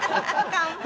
乾杯！」